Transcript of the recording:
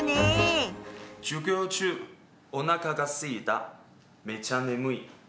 「授業中お腹がすいためちゃ眠い」。